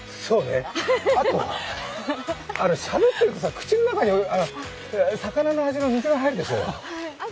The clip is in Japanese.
あれ、しゃべってるとき口の中に魚の味、水が入るでしょ？